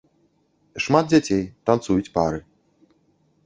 Шмат дзяцей, танцуюць пары.